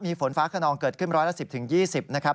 มีฝนฟ้าขนองเกิดขึ้นร้อยละ๑๐๒๐นะครับ